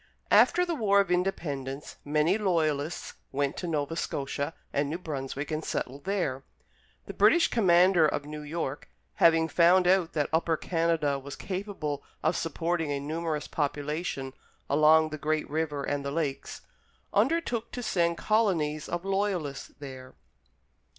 After the war of Independence, many Loyalists went to Nova Scotia and New Brunswick and settled there. The British Commander of New York, having found out that Upper Canada was capable of supporting a numerous population along the great river and the lakes, undertook to send colonies of Loyalists there.